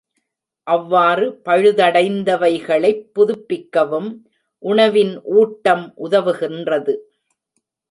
அவ்வாறு பழுதடைந்தவைகளைப் புதுப்பிக்கவும், உணவின் ஊட்டம் உதவுகின்றது.